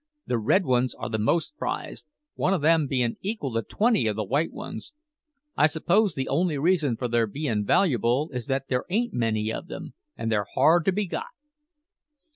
The red ones are the most prized, one of them bein' equal to twenty o' the white ones. I suppose the only reason for their bein' valuable is that there ain't many of them, and they're hard to be got."